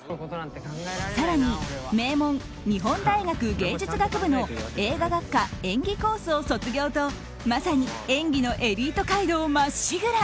更に、名門・日本大学芸術学部の映画学科演技コースを卒業とまさに演技のエリート街道まっしぐら！